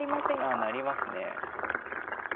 ああなりますね。